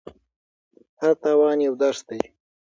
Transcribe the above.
هر تاوان یو درس دی.